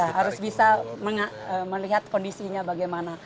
harus bisa melihat kondisinya bagaimana